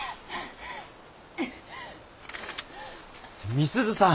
美鈴さん！